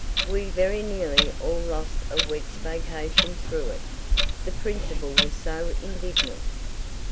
"We very nearly all lost a week's vacation through it, the principal was so indignant."